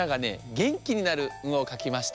げんきになる「ん」をかきました。